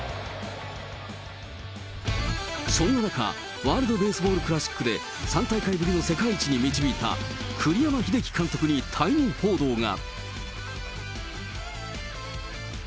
そんな中、ワールドベースボールクラシックで３大会ぶりの世界一に導いた栗山英樹監督に退任報道が。